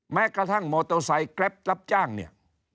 แม้กระทั่งมอเตอร์ไซค์แกรปรับจ้างเนี่ย